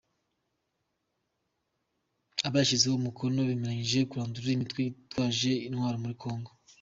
Abayashizeho umukono bemeranyije kurandura imitwe yitwaje intwaro muri Congo.